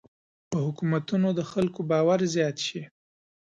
په حکومتونو د خلکو باور زیات شي.